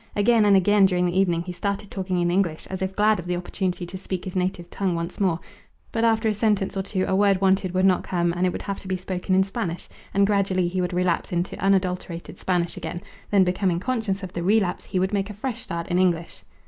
Again and again during the evening he started talking in English as if glad of the opportunity to speak his native tongue once more; but after a sentence or two a word wanted would not come, and it would have to be spoken in Spanish, and gradually he would relapse into unadulterated Spanish again, then, becoming conscious of the relapse, he would make a fresh start in English.